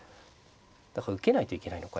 だから受けないといけないのかやっぱり。